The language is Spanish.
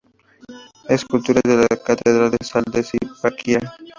Esculturas de la Catedral de Sal de Zipaquirá.